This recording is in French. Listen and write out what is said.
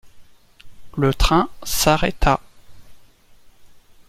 Le train s’arrêta.